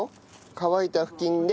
乾いた布巾で。